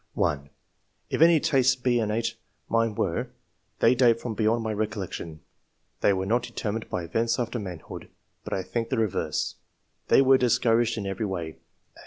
(1) "If any tastes be innate, mine were ; they date from beyond my recollection. They were not determined by events after manhood, but, I think the reverse; they were discouraged in every way."